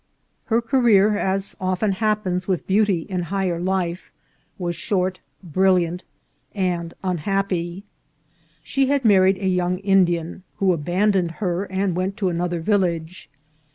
Her career, a* often happens with beauty in higher life, was short, brill iant, and unhappy. She had married a young Indian, who abandoned her and went to another village.